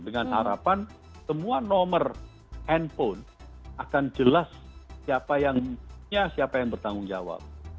dengan harapan semua nomor handphone akan jelas siapa yang punya siapa yang bertanggung jawab